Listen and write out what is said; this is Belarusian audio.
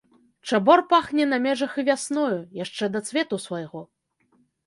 Чабор пахне на межах і вясною, яшчэ да цвету свайго.